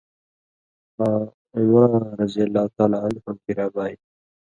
آں عمراںؓ کِریا بانیۡ